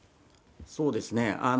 そうですね。